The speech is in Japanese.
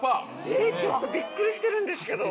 えっちょっとびっくりしてるんですけど。